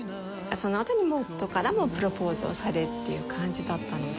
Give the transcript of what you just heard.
そのあとに夫からもプロポーズをされっていう感じだったので。